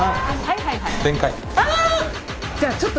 はいはいはい。